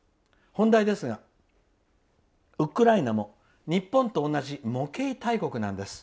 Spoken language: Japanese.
本題ですがウクライナも日本と同じ模型大国なんです。